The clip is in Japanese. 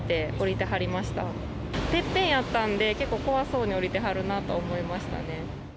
てっぺんやったんで結構怖そうに降りてはるなと思いましたね。